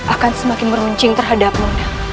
akan semakin menecing terhadapmu